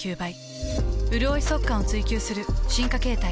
うるおい速乾を追求する進化形態。